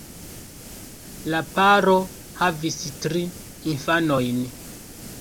La paro havis tri infanojn.